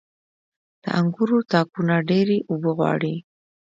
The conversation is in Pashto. • د انګورو تاکونه ډيرې اوبه غواړي.